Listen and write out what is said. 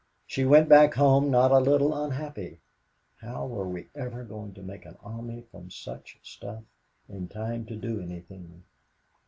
She went back home not a little unhappy. How were we ever going to make an army from such stuff in time to do anything?